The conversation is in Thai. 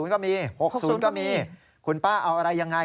ก็มี๖๐ก็มีคุณป้าเอาอะไรยังไง